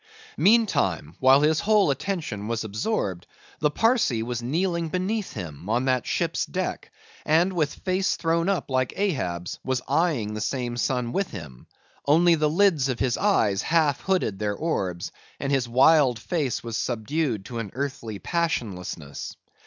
Meantime while his whole attention was absorbed, the Parsee was kneeling beneath him on the ship's deck, and with face thrown up like Ahab's, was eyeing the same sun with him; only the lids of his eyes half hooded their orbs, and his wild face was subdued to an earthly passionlessness.